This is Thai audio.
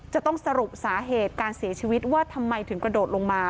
จะต้องสรุปสาเหตุการเสียชีวิตว่าทำไมถึงกระโดดลงมา